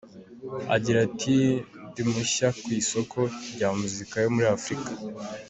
Agira ati “Ndi mushya ku isoko rya muzika yo muri Afurika.